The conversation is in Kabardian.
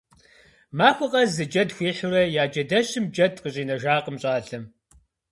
Махуэ къэс зы джэд хуихьурэ, я джэдэщым джэд къыщӏинэжакъым щӏалэм.